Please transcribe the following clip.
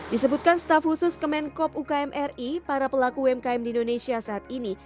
disebutkan staf khusus kemenkop ukm ri para pelaku umkm di indonesia saat ini